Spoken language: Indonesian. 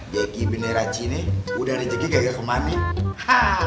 geki beneran sini udah dijegi gaya gaya kemah nih